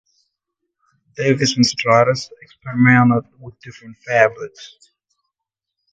Davis and Strauss experimented with different fabrics.